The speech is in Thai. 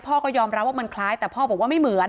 พ่อก็ยอมรับว่ามันคล้ายแต่พ่อบอกว่าไม่เหมือน